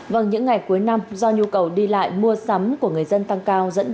vâng những ngày cuối năm do nhu cầu đi lại mua sắm của người dân tăng cao